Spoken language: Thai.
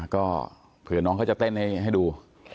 ก็เผื่อน้องเขาจะเต้นให้ดู